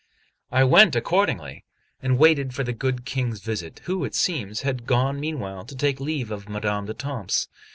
XLIV I WENT accordingly, and waited for the good King's visit, who, it seems, had gone meanwhile to take leave of Madame d'Etampes.